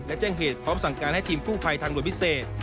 และแจ้งเหตุพร้อมสั่งการให้ทีมกู้ภัยทางหลวงพิเศษ